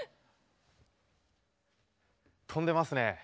飛んでますね。